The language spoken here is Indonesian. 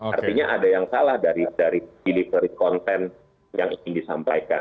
artinya ada yang salah dari delivery content yang ingin disampaikan